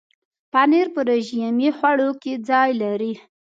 پنېر په رژیمي خواړو کې ځای لري.